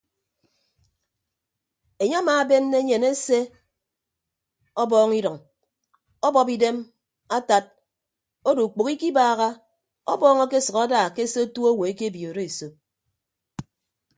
Enye amaabenne enyen ese ọbọọñ idʌñ ọbọp idem atad odo ukpәho ikibaaha ọbọọñ akesʌk ada ke se otu owo ekebiooro esop.